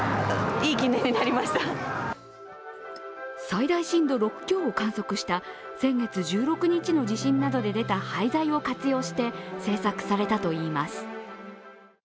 最大震度６強を観測した先月１６日の地震などで出た廃材を活用して制作されたといいます。